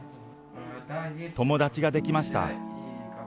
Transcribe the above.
友達が出来ました。